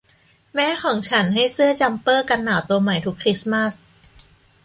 แม่ของฉันให้เสื้อจัมเปอร์กันหนาวตัวใหม่ทุกคริสต์มาส